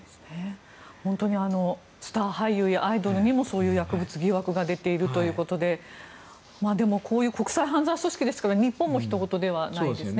本当にスター俳優やアイドルにもそういう薬物疑惑が出ているということででも、こういう国際犯罪組織ですから日本もひと事ではないですね。